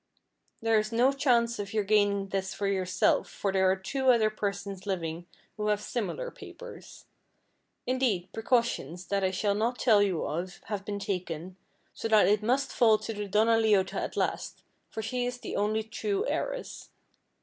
There is no chance of your gaining this for yourself for there are two other persons living who have similar papers; indeed, precautions, that I shall not tell you of, have been taken, so that it must fall to the Donna Leota at last, for she is the only true heiress.